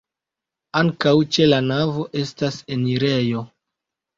Ankaŭ ĉe la navo estas enirejo.